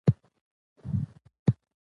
امیر دوست محمد خان د خلکو په زړونو کي و.